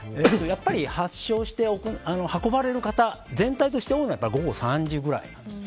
やっぱり発症して運ばれる方全体として多いのはやっぱり午後３時くらいです。